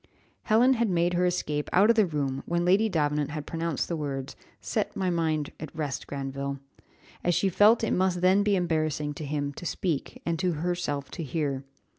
Helen had made her escape out of the room when Lady Davenant had pronounced the words, "Set my mind at rest, Granville," as she felt it must then be embarrassing to him to speak, and to herself to hear.